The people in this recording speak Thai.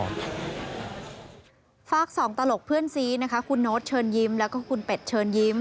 ฝากสองตลกเพื่อนซีนะคะคุณโน๊ตเชิญยิ้มแล้วก็คุณเป็ดเชิญยิ้ม